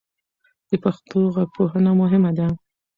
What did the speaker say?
د پښتو غږپوهنه مهمه ده.